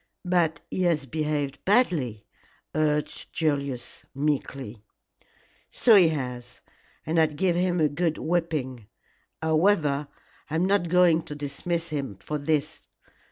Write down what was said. "But he has behaved badly," urged Julius, meekly. "So he has, and I'd give him a good whipping. However, I am not going to dismiss him for this.